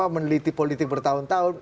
meneliti politik bertahun tahun